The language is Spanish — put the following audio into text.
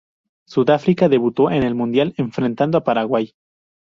Sudáfrica debutó en el Mundial enfrentando a Paraguay.